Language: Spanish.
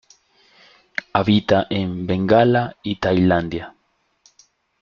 Habita en Bengala y Tailandia.